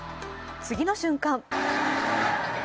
次の瞬間